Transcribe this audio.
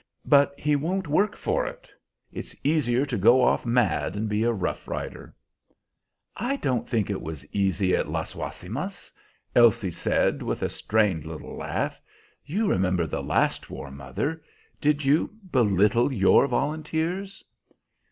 But he won't work for it. It's easier to go off mad and be a Rough Rider." "I don't think it was easy at Las Guasimas," Elsie said, with a strained little laugh. "You remember the last war, mother; did you belittle your volunteers?"